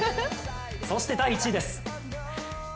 そして第１位です。